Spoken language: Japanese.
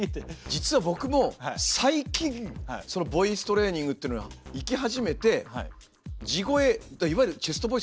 実は僕も最近そのボイストレーニングっていうのを行き始めて地声いわゆるチェストボイスっていうのかな。